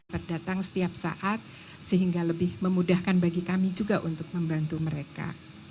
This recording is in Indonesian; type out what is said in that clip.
dapat datang setiap saat sehingga lebih memudahkan bagi kami juga untuk membantu mereka